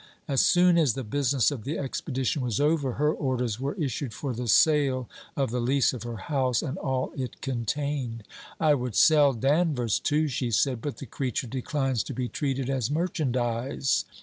As soon as the business of the expedition was over, her orders were issued for the sale of the lease of her house and all it contained. 'I would sell Danvers too,' she said, 'but the creature declines to be treated as merchandize.